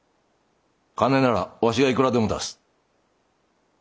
金ならわしがいくらでも出す。